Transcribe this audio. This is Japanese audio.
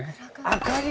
明かり。